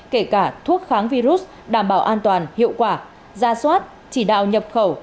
kể cả thuốc kháng virus đảm bảo an toàn hiệu quả ra soát chỉ đạo nhập khẩu